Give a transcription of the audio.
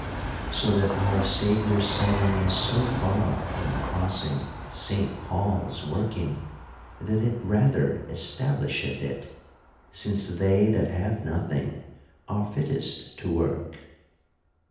So that our Saviour's selling is so far from crossing St. Paul's working, that it rather establisheth it ; since they that have nothing, are fittest to work.